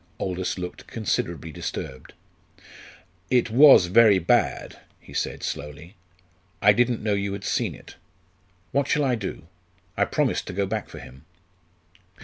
Aldous looked considerably disturbed. "It was very bad," he said slowly. "I didn't know you had seen it. What shall I do? I promised to go back for him."